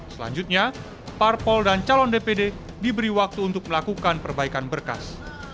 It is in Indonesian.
selanjutnya parpol dan calon dpd diberi waktu untuk melakukan perbaikan berkas